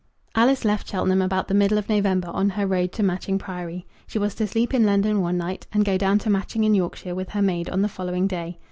Alice left Cheltenham about the middle of November on her road to Matching Priory. She was to sleep in London one night, and go down to Matching in Yorkshire with her maid on the following day.